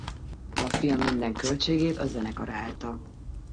A film minden költségét a zenekar állta.